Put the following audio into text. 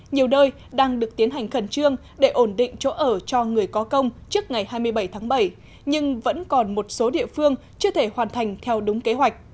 nhiều nơi đang được tiến hành khẩn trương để ổn định chỗ ở cho người có công trước ngày hai mươi bảy tháng bảy nhưng vẫn còn một số địa phương chưa thể hoàn thành theo đúng kế hoạch